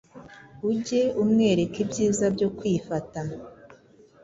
ujye umwereka ibyiza byo kwifata